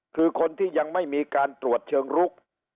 คือคนที่ยังไม่มีการตรวจเชิงลุก